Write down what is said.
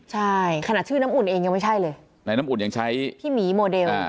ใช่ขนาดชื่อน้ำอุ่นเองยังไม่ใช่เลยในน้ำอุ่นยังใช้พี่หมีโมเดล